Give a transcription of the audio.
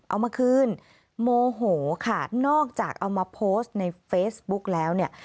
เอามาคืนโมโหค่ะนอกจากเอามาโพสต์ในเฟซบุ๊กแล้วเนี่ย